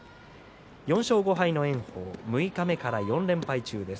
４勝５敗の炎鵬六日目から４連勝中です。